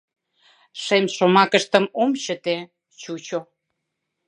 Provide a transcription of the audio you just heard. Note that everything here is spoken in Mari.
Шем шомакыштым Ом чыте — чучо.